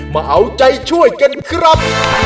มาเอาใจช่วยกันครับ